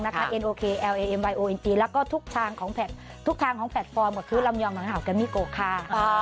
แล้วก็ทุกทางของแพลตฟอร์มก็คือลำยอกหินห่าวแกรมมิโกคะ